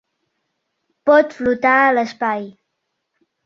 Pot flotar a l'espai.